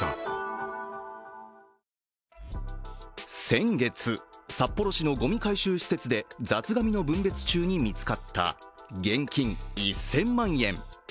先月、札幌市のごみ回収施設で雑がみの分別中に見つかった現金１０００万円。